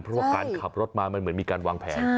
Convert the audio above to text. เพราะว่าการขับรถมามันเหมือนมีการวางแผน